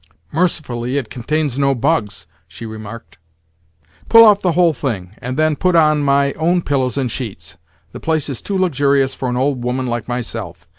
"Mercifully it contains no bugs," she remarked. "Pull off the whole thing, and then put on my own pillows and sheets. The place is too luxurious for an old woman like myself.